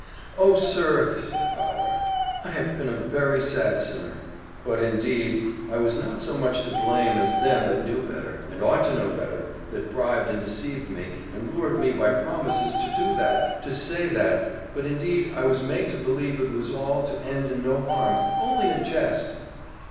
"Oh! sir," said Fowler, "I have been a very sad sinner; but indeed I was not so much to blame as them that knew better, and ought to know better that bribed and deceived me, and lured me by promises to do that to say that but indeed I was made to believe it was all to end in no harm only a jest."